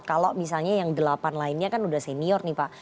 kalau misalnya yang delapan lainnya kan udah senior nih pak